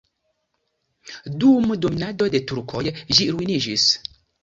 Dum dominado de turkoj ĝi ruiniĝis.